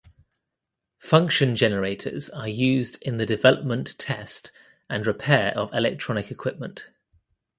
Function generators are used in the development, test and repair of electronic equipment.